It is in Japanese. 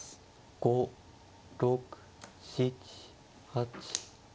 ５６７８。